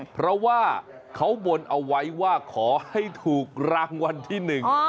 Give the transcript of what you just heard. เพราะว่าเขาบนเอาไว้ว่าขอให้ถูกรางวัลที่หนึ่ง